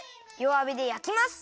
わびでやきます。